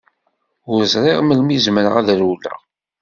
Ur ẓriɣ melmi zemreɣ ad rewleɣ.